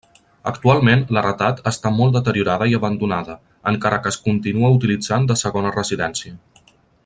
Actualment l'heretat està molt deteriorada i abandonada, encara que es continua utilitzant de segona residència.